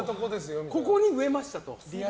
ここに植えましたと。